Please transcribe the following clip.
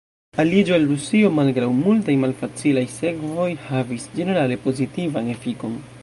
Aliĝo al Rusio malgraŭ multaj malfacilaj sekvoj havis ĝenerale pozitivan efikon.